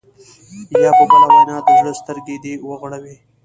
یا په بله وینا د زړه سترګې دې وغړوي.